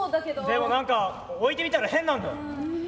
でも何か置いてみたら変なんだよ。え？